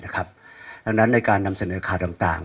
ดังนั้นในการนำเสนอข่าวต่าง